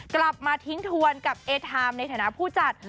กลับมาทิ้งทวนกับเอทามในฐานะผู้จัด